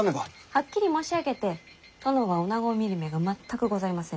はっきり申し上げて殿はおなごを見る目が全くございませぬ。